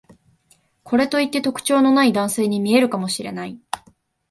これといって特徴のない男性に見えるかもしれない